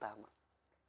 sebelum nanti kita mencari